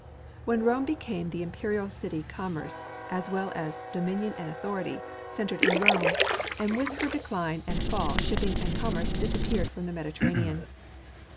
When Rome became the imperial city commerce, as well as do minion and authority, centered in Rome, and with her decline and fall shipping and commerce disappeared from the Mediterranean.